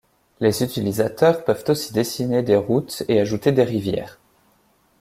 Les utilisateurs peuvent aussi dessiner des routes et ajouter des rivières.